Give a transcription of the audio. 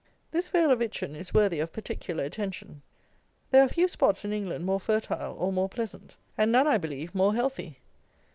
This vale of Itchen is worthy of particular attention. There are few spots in England more fertile or more pleasant; and none, I believe, more healthy.